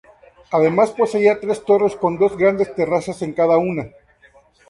Además, poseía tres torres con dos grandes terrazas en cada una.